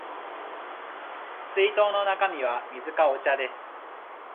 水筒の中身は水かお茶です